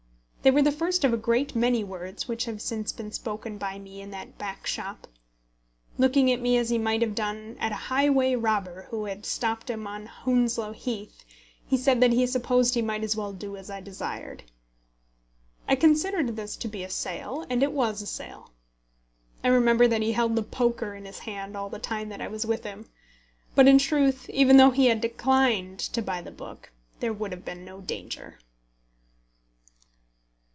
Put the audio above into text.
They were the first of a great many words which have since been spoken by me in that back shop. Looking at me as he might have done at a highway robber who had stopped him on Hounslow Heath, he said that he supposed he might as well do as I desired. I considered this to be a sale, and it was a sale. I remember that he held the poker in his hand all the time that I was with him; but in truth, even though he had declined to buy the book, there would have been no danger.